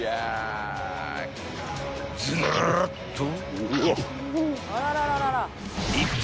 ［ずらっと］